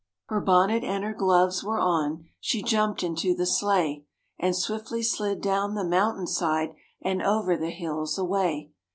Her bonnet and her gloves were on, she jumped into the sleigh, And swiftly slid down the mountain side and over the hills away.